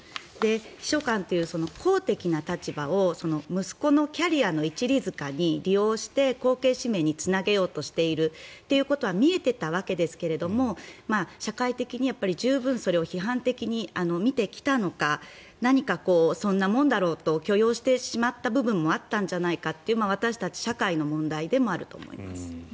秘書官という公的な立場を息子のキャリアの一里塚に利用して後継指名につなげようとしていることは見えていたわけですが社会的に十分それを批判的に見てきたのか何かそんなもんだろうと許容してしまった部分もあったんじゃないかという私たち社会の問題でもあると思います。